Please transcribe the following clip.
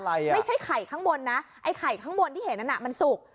ไม่ใช่ไข่ข้างบนนะไอ้ไข่ข้างบนที่เห็นนั้นน่ะมันสุก